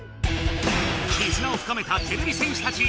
きずなを深めたてれび戦士たち！